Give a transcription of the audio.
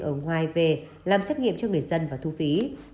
ở ngoài về làm trắc nghiệm cho người dân và thu phí